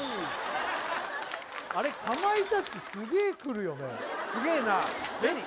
あれかまいたちすげえ来るよね？